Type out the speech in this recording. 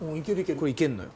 これいけんのよ。